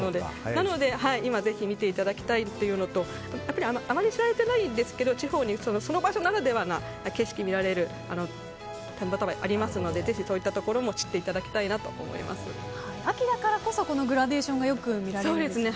なので、今ぜひ見ていただきたいというのとやっぱりあまり知られていないんですが地方にその場所ならではな知識を見られる展望タワーがありますのでぜひそういったところも秋だからこそグラデーションがよく見られるんですね。